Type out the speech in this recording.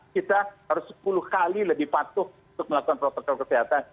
kita harus sepuluh kali lebih patuh untuk melakukan protokol kesehatan